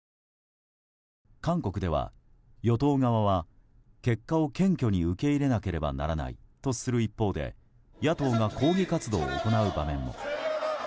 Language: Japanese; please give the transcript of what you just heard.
韓国では与党側は結果を謙虚に受け入れなければならないとする一方で野党が抗議活動を行う場面も。